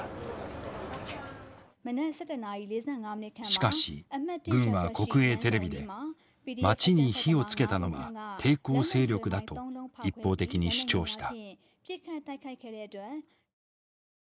しかし軍は国営テレビで町に火をつけたのは抵抗勢力だと一方的に主張した。